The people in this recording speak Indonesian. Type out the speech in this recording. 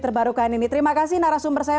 terbarukan ini terima kasih narasumber saya